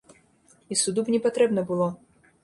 І суду б не патрэбна было.